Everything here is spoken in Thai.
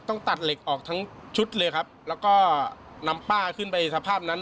ต้องตัดเหล็กออกทั้งชุดเลยครับแล้วก็นำป้าขึ้นไปสภาพนั้น